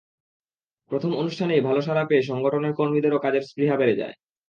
প্রথম অনুষ্ঠানেই ভালো সাড়া পেয়ে সংগঠনের কর্মীদেরও কাজের স্পৃহা বেড়ে যায়।